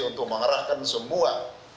untuk mengarahkan semua